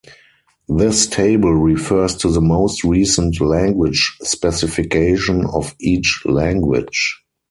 This table refers to the most recent language specification of each language.